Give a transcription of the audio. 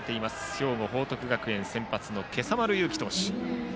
兵庫・報徳学園先発の今朝丸裕喜投手。